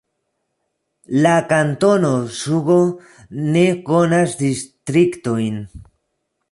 La kantono Zugo ne konas distriktojn.